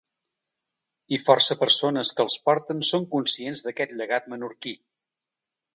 I força persones que els porten són conscients d’aquest llegat menorquí.